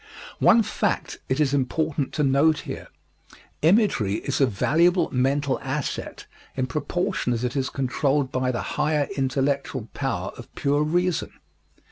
One fact it is important to note here: Imagery is a valuable mental asset in proportion as it is controlled by the higher intellectual power of pure reason.